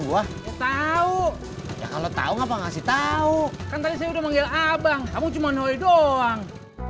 gua tahu kalau tahu ngapa ngasih tahu kan tadi saya udah manggil abang kamu cuman hari doang